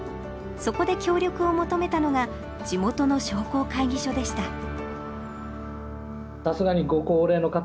そこで協力を求めたのが地元の商工会議所でした